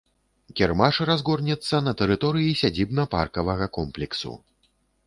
Кірмаш разгорнецца на тэрыторыі сядзібна-паркавага комплексу.